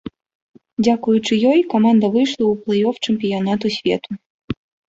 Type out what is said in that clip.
Дзякуючы ёй каманда выйшла ў плэй-оф чэмпіянату свету.